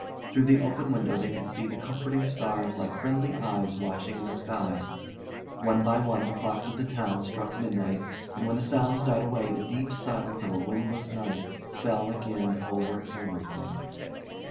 Through the open window they could see the comforting stars like friendly eyes watching in the sky. One by one the clocks of the town struck midnight, and when the sounds died away the deep silence of a windless night fell again over everything.